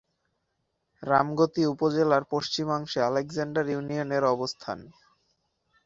রামগতি উপজেলার পশ্চিমাংশে আলেকজান্ডার ইউনিয়নের অবস্থান।